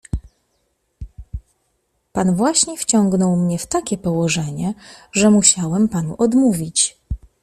"Pan właśnie wciągnął mnie w takie położenie, że musiałem panu odmówić."